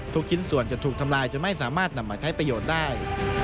ชิ้นส่วนจะถูกทำลายจะไม่สามารถนำมาใช้ประโยชน์ได้